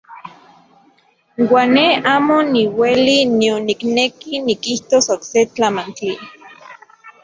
Uan ne amo niueli nion nikneki nikijtos okse tlamantli.